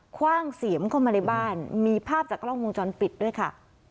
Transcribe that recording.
คว่างเสียมเข้ามาในบ้านมีภาพจากกล้องวงจรปิดด้วยค่ะ